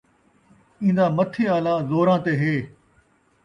ایندا متھے آلا زوراں تے ہے